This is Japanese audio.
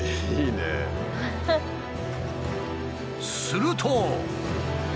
すると。